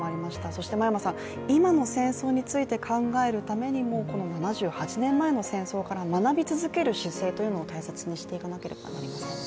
そして今の戦争について考えるためにもこの７８年前の戦争から学び続ける姿勢というのも大切にしていかなければなりませんね。